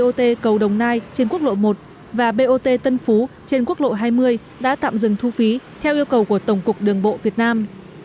bot cầu đồng nai trên quốc lộ một và bot tân phú trên quốc lộ hai mươi đã tạm dừng thu phí theo yêu cầu của tổng cục đường bộ việt nam